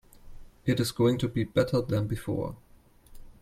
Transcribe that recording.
It is going to be better than before.